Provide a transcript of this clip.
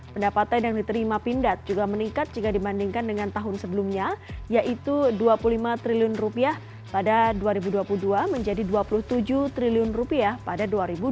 pendapatan yang diterima pindad juga meningkat jika dibandingkan dengan tahun sebelumnya yaitu rp dua puluh lima triliun rupiah pada dua ribu dua puluh dua menjadi rp dua puluh tujuh triliun rupiah pada dua ribu dua puluh